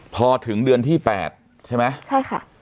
พอถึงเดือนที่๘ใช่ไหม